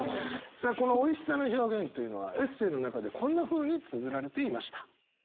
さあこのおいしさの表現というのはエッセイの中でこんなふうにつづられていました。